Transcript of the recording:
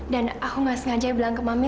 dan aku nggak sengaja bilang ke mami